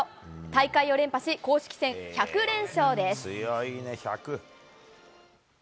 大会を連覇し、公式戦１００連勝です。